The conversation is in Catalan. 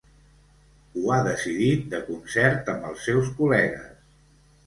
Ho ha decidit de concert amb els seus col·legues.